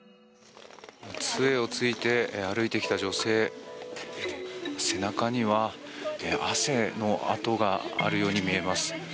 杖を突いて歩いてきた女性背中には汗のあとがあるように見えます。